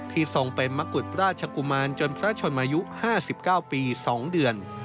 ทรงเป็นมะกุฎราชกุมารจนพระชนมายุ๕๙ปี๒เดือน